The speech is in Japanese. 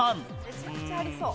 めちゃくちゃありそう。